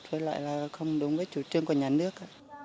tôi lại là không đúng với chủ trương của nhà nước